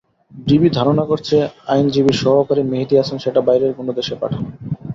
DB ধারণা করছে, আইনজীবীর সহকারী মেহেদী হাসান সেটা বাইরের কোনো দেশে পাঠান।